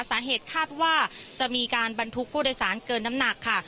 สาเหตุคาดว่าจะมีการบรรทุกผู้โดยสารเกินน้ำหนักค่ะ